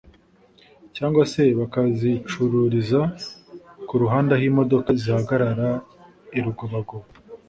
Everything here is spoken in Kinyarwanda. cyangwa se bakazicururiza ku muhanda aho imodoka zihagarara i Rugobagoba